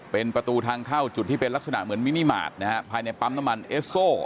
เป็นประตูทางเข้าจุดที่เป็นลักษณะเหมือนมินิมาตรนะฮะภายในปั๊มน้ำมันเอสโซ